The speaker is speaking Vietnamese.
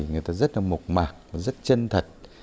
người ta rất là mộc mạc rất chân thật